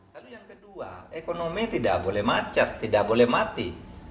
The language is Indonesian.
lalu yang kedua ekonomi tidak boleh macet tidak boleh mati